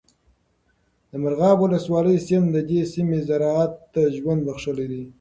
د مرغاب ولسوالۍ سیند د دې سیمې زراعت ته ژوند بخښلی دی.